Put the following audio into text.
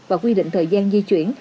và quy định thời gian di chuyển